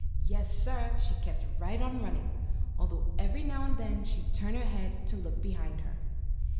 Yes, sir! she kept right on running, although every now and then she'd turn her head to look behind her.